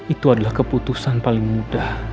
itu adalah keputusan paling mudah